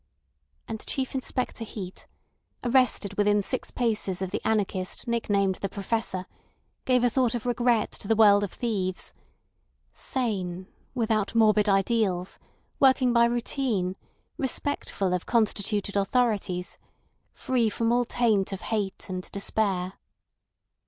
And Chief Inspector Heat, arrested within six paces of the anarchist nick named the Professor, gave a thought of regret to the world of thieves—sane, without morbid ideals, working by routine, respectful of constituted authorities, free from all taint of hate and despair.